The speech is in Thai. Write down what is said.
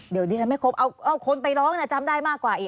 เดี๋ยวดิฉันไม่ครบเอาคนไปร้องนะจำได้มากกว่าอีก